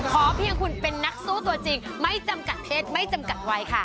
เพียงคุณเป็นนักสู้ตัวจริงไม่จำกัดเพศไม่จำกัดวัยค่ะ